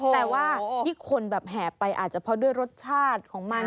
แต่ว่าที่คนแบบแห่ไปอาจจะเพราะด้วยรสชาติของมัน